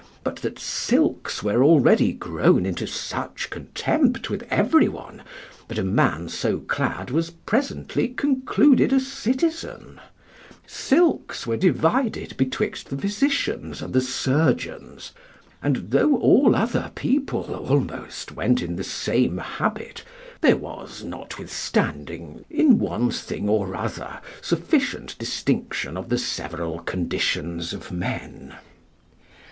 but that silks were already grown into such contempt with every one, that a man so clad was presently concluded a citizen: silks were divided betwixt the physicians and surgeons, and though all other people almost went in the same habit, there was, notwithstanding, in one thing or other, sufficient distinction of the several conditions of men.